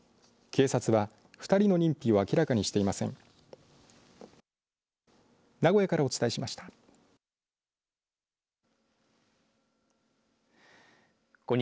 警察は２人の認否を明らかにしていません。